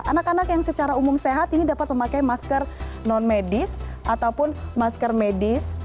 anak anak yang secara umum sehat ini dapat memakai masker non medis ataupun masker medis